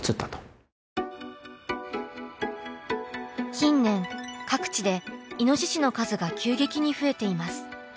近年各地でイノシシの数が急激に増えています。